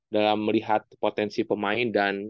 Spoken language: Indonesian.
dalam melihat potensi pemain dan